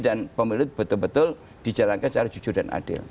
dan pemilu betul betul dijalankan secara jujur dan adil